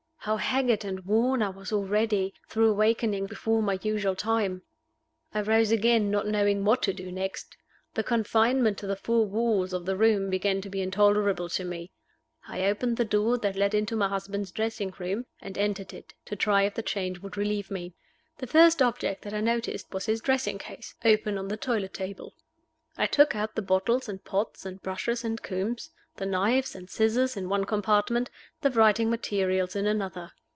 How haggard and worn I was already, through awaking before my usual time! I rose again, not knowing what to do next. The confinement to the four walls of the room began to be intolerable to me. I opened the door that led into my husband's dressing room, and entered it, to try if the change would relieve me. The first object that I noticed was his dressing case, open on the toilet table. I took out the bottles and pots and brushes and combs, the knives and scissors in one compartment, the writing materials in another.